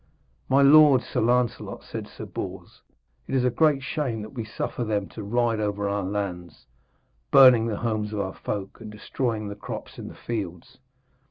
'My lord, Sir Lancelot,' said Sir Bors, 'it is great shame that we suffer them to ride over our lands, burning the homes of our folk and destroying the crops in the fields.'